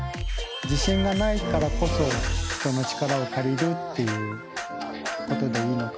自信がないからこそ人の力を借りるっていうことでいいのかな。